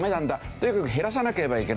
とにかく減らさなければいけない。